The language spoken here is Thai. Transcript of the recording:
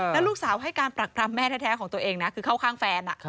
แล้วลูกสาวให้การปรักปรำแม่แท้ของตัวเองนะคือเข้าข้างแฟน